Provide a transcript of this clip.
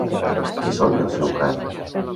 Què són els Yukar?